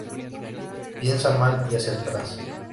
Piensa mal y acertarás